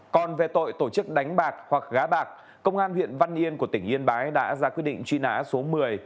còn về tội tổ chức đánh bạc hoặc gá bạc công an huyện văn yên của tỉnh yên bái đã ra quyết định truy nã số một mươi